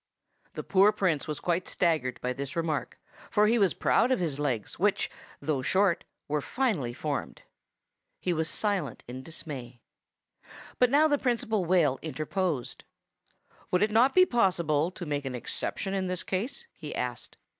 The poor Prince was quite staggered by this remark, for he was proud of his legs, which, though short, were finely formed. He was silent in dismay. But now the Principal Whale interposed. "Would it not be possible to make an exception in this case?" he asked.